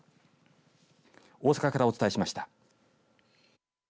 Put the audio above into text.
大阪からお伝えしました。